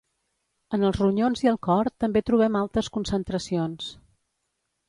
En els ronyons i el cor també trobem altes concentracions.